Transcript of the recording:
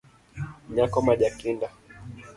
Nyako ma jakinda